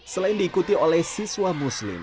selain diikuti oleh siswa muslim